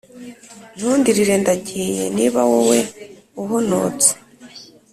Ntundirire ndagiye Niba wowe uhonotse!